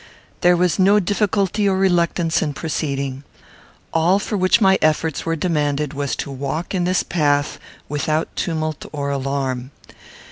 There was no difficulty or reluctance in proceeding. All for which my efforts were demanded was to walk in this path without tumult or alarm.